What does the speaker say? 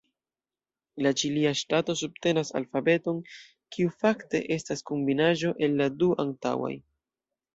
La Ĉilia Ŝtato subtenas alfabeton kiu fakte estas kombinaĵo el la du antaŭaj.